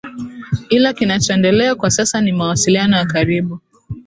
ila kinachoendelea kwa sasa ni mawasiliano ya karibu